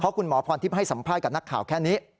คุณหมอพรทิพย์ให้สัมภาษณ์กับนักข่าวแค่นี้